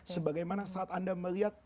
sebagai mana saat anda melihat